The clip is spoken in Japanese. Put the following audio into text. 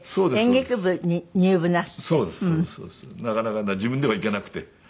なかなか自分では行けなくて。